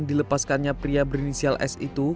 dilepaskannya pria berinisial s itu